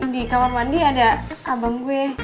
di kamar mandi ada sabang gue